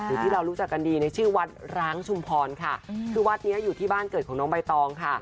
หรือที่เรารู้จักกันดีในชื่อวัดร้างชุมพรค่ะคือวัดนี้อยู่ที่บ้านเกิดของน้องใบตองค่ะ